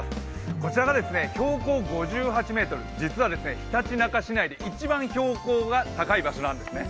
こちらは標高５８ｍ、実はひたちなか市内で一番標高が高い場所なんですね。